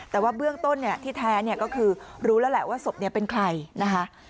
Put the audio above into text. แต่ว่าเบื้องต้นที่แท้เนี่ยก็คือรู้แล้วแหละว่าศพนี้เป็นใครนะคะ